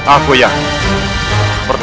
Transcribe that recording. aku akan menang